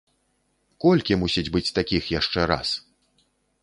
Колькі мусіць быць такіх яшчэ раз?